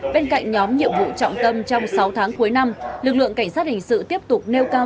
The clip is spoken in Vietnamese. bên cạnh nhóm nhiệm vụ trọng tâm trong sáu tháng cuối năm lực lượng cảnh sát hình sự tiếp tục nêu cao